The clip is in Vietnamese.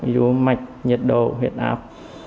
ví dụ mạch nhiệt độ huyệt áp